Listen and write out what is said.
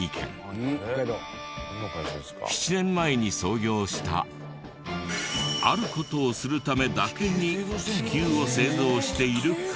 ７年前に創業したある事をするためだけに気球を製造している会社。